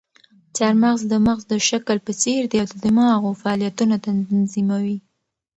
چهارمغز د مغز د شکل په څېر دي او د دماغو فعالیتونه تنظیموي.